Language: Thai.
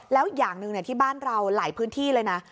แล้วอย่างหนึ่งที่บ้านเราหลายพื้นที่เลยนะ